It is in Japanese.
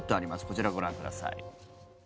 こちらをご覧ください。